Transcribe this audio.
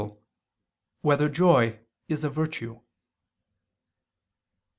4] Whether Joy Is a Virtue?